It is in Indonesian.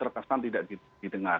tertesan tidak didengar